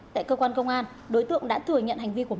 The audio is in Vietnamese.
tại cơ quan công an đối tượng đã thừa nhận hành vi của mình